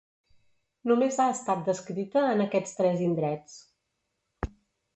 Només ha estat descrita en aquests tres indrets.